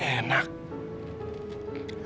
aku gak suka ketawa ketawa